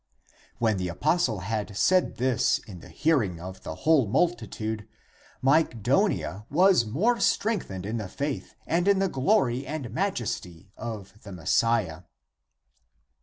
When the apostle had said this in the hearing of the whole multitude, Mygdonia was more strengthened in the faith and in the glory and majesty of the Mes siah.